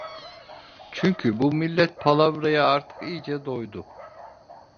Çünkü bu millet palavraya artık iyice doydu.